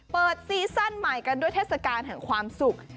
ซีซั่นใหม่กันด้วยเทศกาลแห่งความสุข